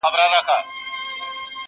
تل زاړه کفن کښان له خدایه غواړي،